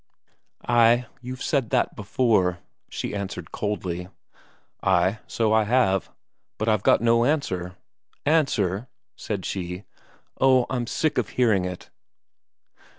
"Ay, you've said that before," she answered coldly. "Ay, so I have; but I've got no answer." "Answer?" said she. "Oh, I'm sick of hearing it."